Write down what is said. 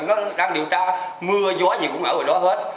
nó đang điều tra mưa gió gì cũng ở đó hết